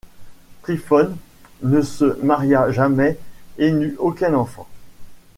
Trifone ne se maria jamais et n’eut aucun enfant.